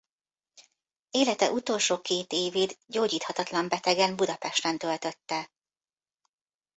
Élete utolsó két évét gyógyíthatatlan betegen Budapesten töltötte.